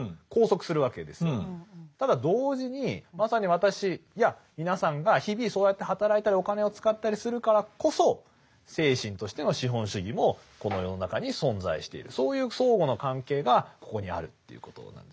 ただ同時にまさに私や皆さんが日々そうやって働いたりお金を使ったりするからこそ精神としての資本主義もこの世の中に存在しているそういう相互の関係がここにあるということなんです。